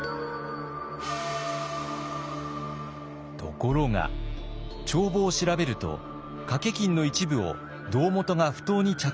ところが帳簿を調べると掛金の一部を胴元が不当に着服していたのです。